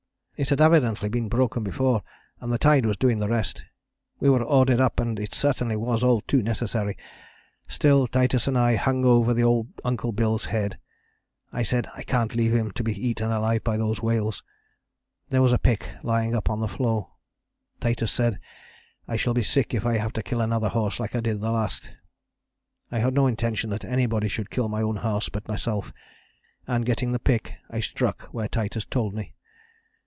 "It had evidently been broken before, and the tide was doing the rest. We were ordered up and it certainly was all too necessary; still Titus and I hung over the old Uncle Bill's head. I said: 'I can't leave him to be eaten alive by those whales.' There was a pick lying up on the floe. Titus said: 'I shall be sick if I have to kill another horse like I did the last.' I had no intention that anybody should kill my own horse but myself, and getting the pick I struck where Titus told me.